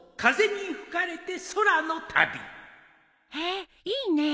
へえいいねえ。